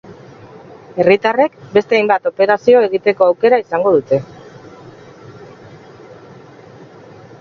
Herritarrek beste hainbat operazio egiteko aukera izango dute.